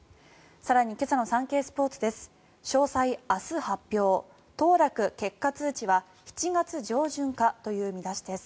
更に今朝のサンケイスポーツです。